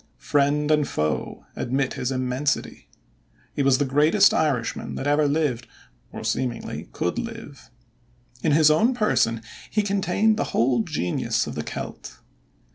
Friend and foe admit his immensity. He was the greatest Irishman that ever lived or seemingly could live. In his own person he contained the whole genius of the Celt.